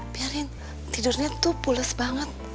biarin tidurnya tuh pules banget